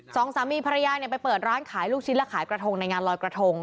สองสามีภรรยาไปเปิดร้านขายลูกชิ้นและขายกระทงในงานลอยกระทง